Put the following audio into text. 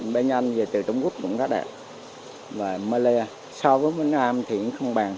bên anh về từ trung quốc cũng rất đẹp và mê lê so với mấy nam thì cũng không bằng